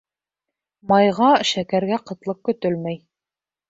Майға, шәкәргә ҡытлыҡ көтөлмәй